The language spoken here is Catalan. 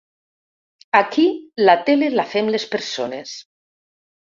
Aquí la tele la fem les persones.